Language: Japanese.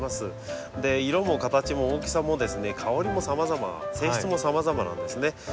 色も形も大きさも香りもさまざま性質もさまざまなんですね。